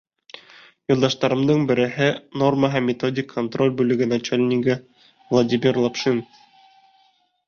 Юлдаштарымдың береһе — норма һәм методик контроль бүлеге начальнигы Владимир Лапшин.